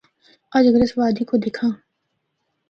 اَجّ اگر اس وادی کو دِکھّاں۔